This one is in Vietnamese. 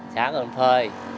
xả rồi mình phơi